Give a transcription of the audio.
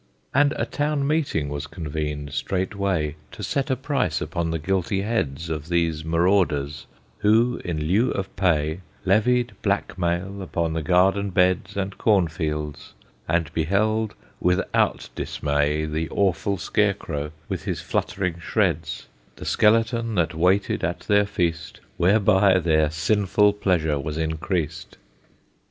And a town meeting was convened straightway To set a price upon the guilty heads Of these marauders, who, in lieu of pay, Levied black mail upon the garden beds And corn fields, and beheld without dismay The awful scarecrow, with his fluttering shreds; The skeleton that waited at their feast, Whereby their sinful pleasure was increased.